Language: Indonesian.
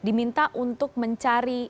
diminta untuk mencari